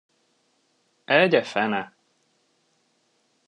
Egye fene!